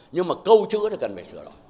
nhưng mà câu chữ thì cần phải sửa lại